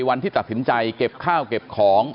วันที่ตัดสินใจเก็บข้าวเก็บของ